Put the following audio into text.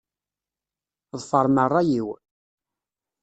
Ḍefṛem ṛṛay-iw.